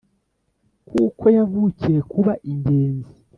Kuko yavukiye kuba ingenzi